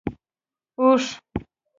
🐪 اوښ